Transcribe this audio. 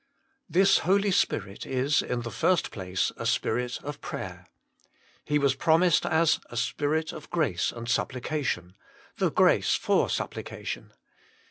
This Holy Spirit is, in the first place, a Spirit of prayer. He was promised as a " Spirit of grace and supplication," the grace for supplication.